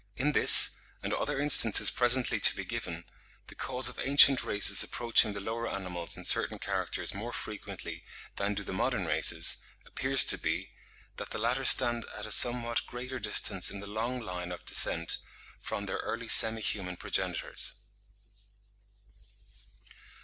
In this, and other instances presently to be given, the cause of ancient races approaching the lower animals in certain characters more frequently than do the modern races, appears to be, that the latter stand at a somewhat greater distance in the long line of descent from their early semi human progenitors.